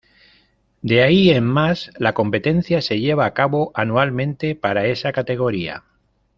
De ahí en más, la competencia se lleva a cabo anualmente para esa categoría.